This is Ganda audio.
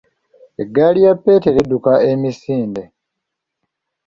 Eggaali ya Peetero edduka emisinde.